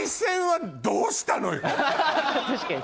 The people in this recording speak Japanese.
確かに。